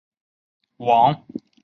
王陇德河南省开封市人。